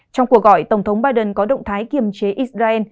trong cuộc gọi tổng thống biden có động thái kiềm chế israel